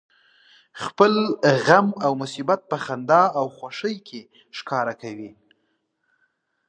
خپل پټ غم او مصیبت په خندا او خوښۍ کې ښکاره کوي